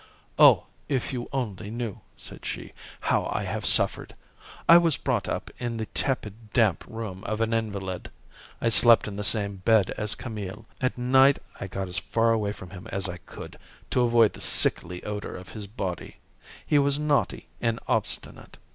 "Oh! if you only knew," said she, "how I have suffered. I was brought up in the tepid damp room of an invalid. I slept in the same bed as Camille. At night I got as far away from him as I could, to avoid the sickly odour of his body. He was naughty and obstinate.